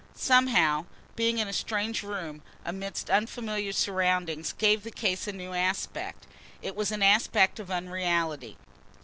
Somehow, being in a strange room amidst unfamiliar surroundings, gave the case a new aspect. It was an aspect of unreality.